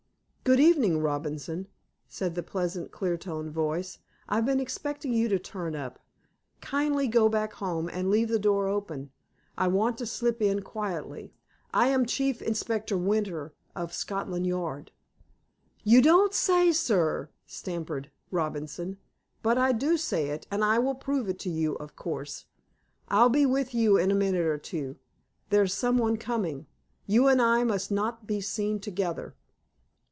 "Good evening, Robinson," said the pleasant, clear toned voice. "I've been expecting you to turn up. Kindly go back home, and leave the door open. I want to slip in quietly. I am Chief Inspector Winter, of Scotland Yard." "You don't say so, sir!" stammered Robinson. "But I do say it, and will prove it to you, of course. I'll be with you in a minute or two. There's someone coming. You and I must not be seen together."